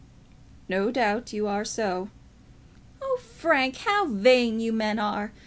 "No doubt you are so." "Oh, Frank, how vain you men are!